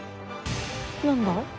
何だ？